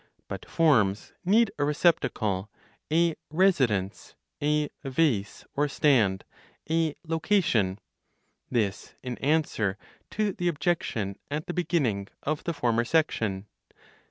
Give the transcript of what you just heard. But (forms) need a receptacle (a residence), a "vase" (or stand), a location (this in answer to the objection at the beginning of the former section).